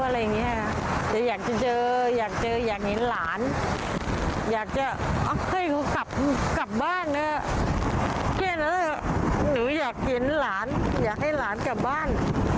เกลียดแล้วหนูอยากเห็นหลานอยากให้หลานกลับบ้าน